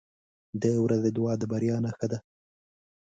• د ورځې دعا د بریا نښه ده.